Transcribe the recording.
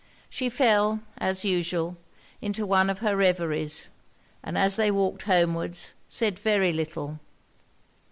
She fell, as usual, into one of her reveries, and as they walked homewards said very little.